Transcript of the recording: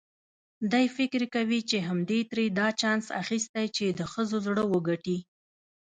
دی فکر کوي چې همدې ترې دا چانس اخیستی چې د ښځو زړه وګټي.